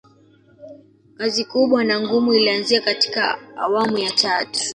kazi kubwa na ngumu ilianzia katika awamu ya tatu